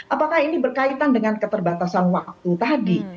apakah ini berkaitan dengan keterbatasan waktu tadi